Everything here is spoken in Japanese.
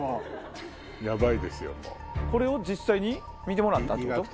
これを実際に見てもらったってこと？